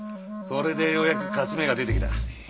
これでようやく勝ち目が出てきた。